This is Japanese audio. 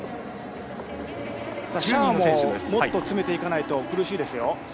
シェアももっと詰めていかないと苦しいですよ。